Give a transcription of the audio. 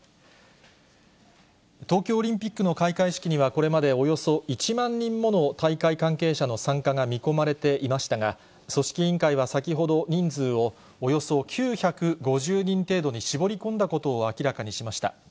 東京オリンピックの開会式には、これまでおよそ１万人もの大会関係者の参加が見込まれていましたが、組織委員会は先ほど、人数をおよそ９５０人程度に絞り込んだことを明らかにしました。